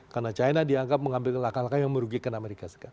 karena china dianggap mengambil langkah langkah yang merugikan amerika